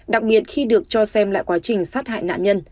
đặc biệt khi được cho xem lại quá trình sát hại nạn nhân